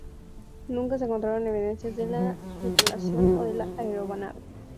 Nunca se encontraron evidencias de la tripulación o de la aeronave.